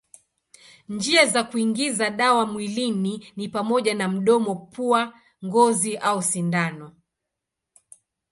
Njia za kuingiza dawa mwilini ni pamoja na mdomo, pua, ngozi au sindano.